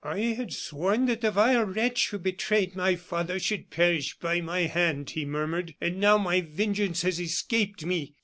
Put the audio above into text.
"I had sworn that the vile wretch who betrayed my father should perish by my hand," he murmured; "and now my vengeance has escaped me.